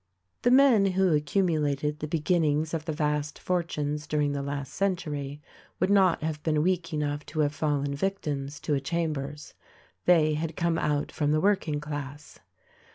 The men who accumulated the beginnings of the vast for tunes during the last century would not have been weak enough to have fallen victims to a Chambers — they had come out from the working class.